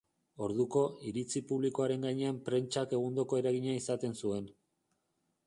Orduko, iritzi publikoaren gainean prentsak egundoko eragina izaten zuen.